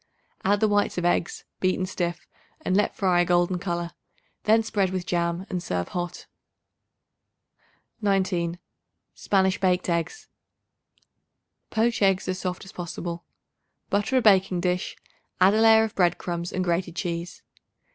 Add the whites of eggs, beaten stiff and let fry a golden color; then spread with jam and serve hot. 19. Spanish Baked Eggs. Poach eggs as soft as possible. Butter a baking dish; add a layer of bread crumbs and grated cheese.